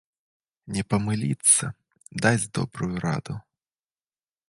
Не памыліцца, дасць добрую раду.